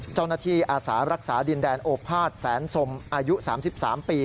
เจ้าหน้าที่อาศารักษาดินแดนโอภาษณ์แสนสมอายุ๓๓ปี